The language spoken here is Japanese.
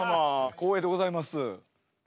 光栄でございます。